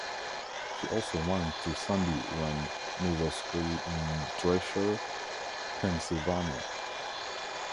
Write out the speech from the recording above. She also went to Sandy Run Middle School in Dresher, Pennsylvania.